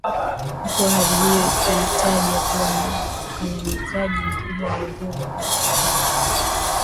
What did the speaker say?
huku hali hiyo ikitajwa kuwa ni ukandamizaji mkubwa wa uhuru wa vyombo vya habari